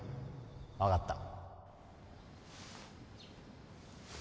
分かった